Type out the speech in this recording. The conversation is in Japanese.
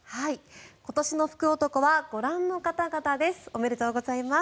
今年の福男はご覧の方々です。